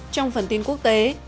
trong phần tin quốc tế